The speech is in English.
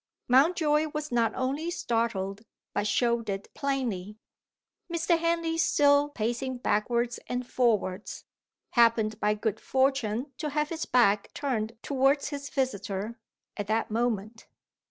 Mountjoy was not only startled, but showed it plainly. Mr. Henley, still pacing backwards and forwards, happened by good fortune to have his back turned towards his visitor, at that moment.